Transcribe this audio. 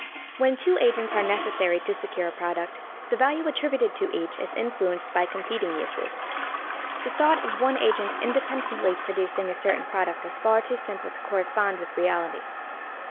When two agents are necessary to secure a product, the value attributed to each is influenced by competing uses. The thought of one agent independently producing a certain product is far too simple to correspond with reality.